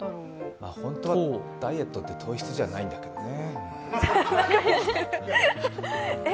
ホントはダイエットって糖質じゃないんだけどね。